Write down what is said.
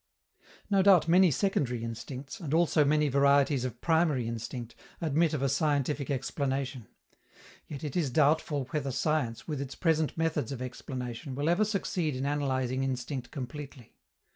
No doubt many secondary instincts, and also many varieties of primary instinct, admit of a scientific explanation. Yet it is doubtful whether science, with its present methods of explanation, will ever succeed in analyzing instinct completely.